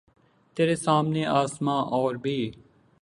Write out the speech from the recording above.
ترے سامنے آسماں اور بھی